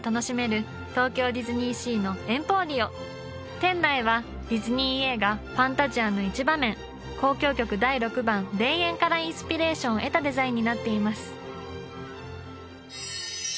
店内はディズニー映画「ファンタジア」の一場面交響曲第６番「田園」からインスピレーションを得たデザインになっています。